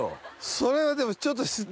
それはでもちょっと。